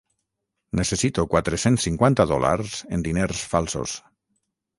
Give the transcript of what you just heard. Necessito quatre-cents cinquanta dòlars en diners falsos.